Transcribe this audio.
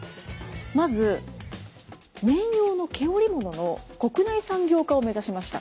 まず綿羊の毛織物の国内産業化を目指しました。